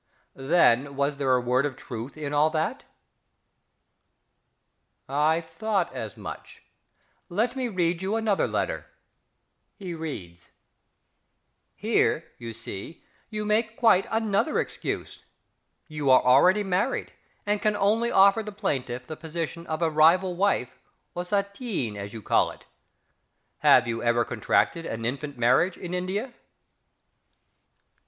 Then was there a word of truth in all that?... I thought as much. Let me read you another letter. (He reads.) Here, you see, you make quite another excuse. You are already married, and can only offer the plaintiff the position of a rival wife, or "sateen," as you call it. Have you ever contracted an infant marriage in India?...